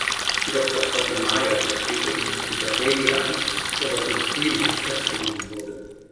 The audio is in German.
Jedoch vertraute Maya sich später ihrem Bruder Bailey an, woraufhin Freeman festgenommen wurde.